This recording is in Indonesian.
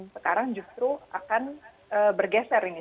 sekarang justru akan bergeser ini